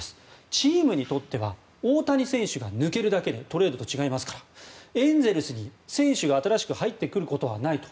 チームにとっては大谷選手が抜けるだけでトレードと違いますからエンゼルスに選手が新しく入ってくることはないと。